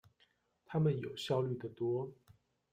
他們有效率的多